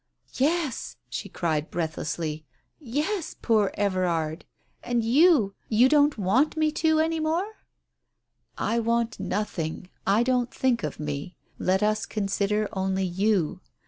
"Yes," she cried breathlessly. "Yes, poor Everard! And you — you don't want v me to any more?" "I want nothing I Don't think of me. Let us con sider only you.